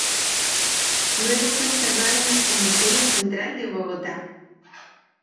Luego fue enterrado en el Cementerio Central de Bogotá.